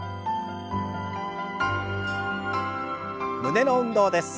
胸の運動です。